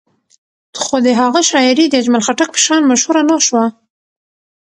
خو د هغه شاعري د اجمل خټک په شان مشهوره نه شوه.